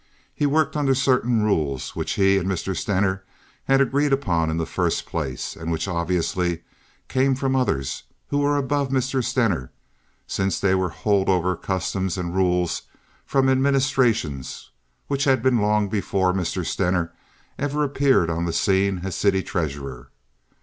He worked under certain rules which he and Mr. Stener had agreed upon in the first place, and which obviously came from others, who were above Mr. Stener, since they were hold over customs and rules from administrations, which had been long before Mr. Stener ever appeared on the scene as city treasurer.